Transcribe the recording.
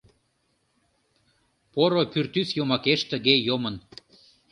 Поро пӱртӱс йомакеш тыге йомын